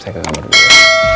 saya ke kamar dulu